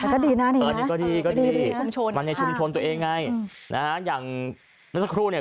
ก็ดีนะเนี่ยนะมันในชุมชนตัวเองไงอย่างนักศักดิ์ครูเนี่ย